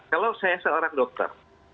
kalau saya seorang dokter